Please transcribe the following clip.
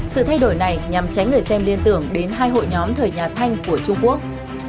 sự thay đổi này nhằm tránh người xem liên tưởng đến hai hội nhóm thời nhà thanh của trung quốc